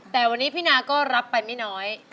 แต่วันนี้พี่นาก็รับไปไม่น้อย